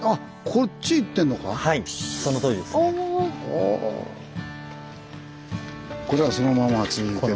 これがそのまま続いてる。